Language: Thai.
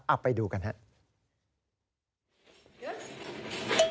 เอาไปดูกันครับ